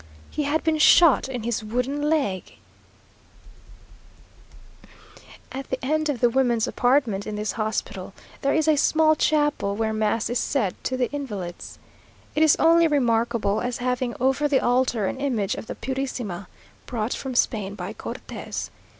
He had been shot in his wooden leg! At the end of the women's apartment in this hospital, there is a small chapel where mass is said to the invalids. It is only remarkable as having over the altar an image of the Purisima, brought from Spain by Cortes.